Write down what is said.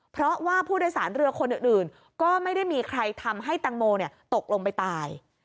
เพราะว่าผู้โดยสารเรือคนอื่นก็ไม่ได้มีใครทำให้ตังโมตกลงไปตาย